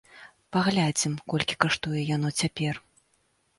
Паглядзім, колькі каштуе яно цяпер.